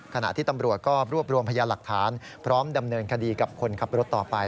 ขณะที่ตำรวจก็รวบรวมพยานหลักฐานพร้อมดำเนินคดีกับคนขับรถต่อไป